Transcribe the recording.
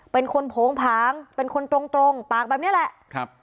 เป็นคนโผงผางเป็นคนตรงตรงปากแบบนี้แหละครับ